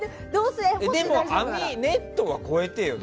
でも、ネットは越えてよ。